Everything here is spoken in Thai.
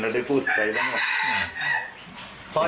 เราได้พูดไปละหมด